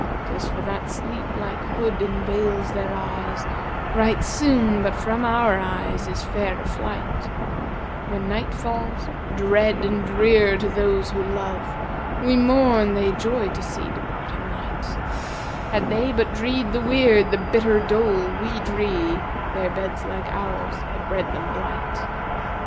'Tis for that sleep like hood enveils their eyes * Right soon, but from our eyes is fair of flight: When night falls, dread and drear to those who love, * We mourn; they joy to see departing light: Had they but dree'd the weird, the bitter dole * We dree, their beds like ours had bred them blight.'